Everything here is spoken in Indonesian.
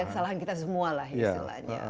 yang salah kita semua lah istilahnya